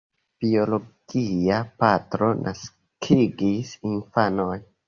Biologia patro naskigis infanon.